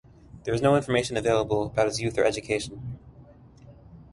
There is no information available about his Youth or Education.